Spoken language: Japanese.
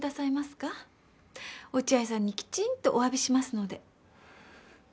落合さんにきちんとお詫びしますので。